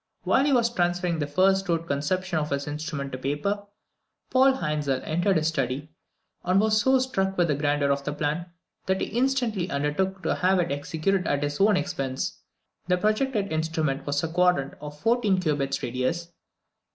While he was transferring the first rude conception of his instrument to paper, Paul Hainzel entered his study, and was so struck with the grandeur of the plan, that he instantly undertook to have it executed at his own expense. The projected instrument was a quadrant of fourteen cubits radius!